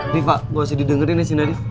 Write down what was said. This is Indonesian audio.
riva gue masih didengerin ya sini tadi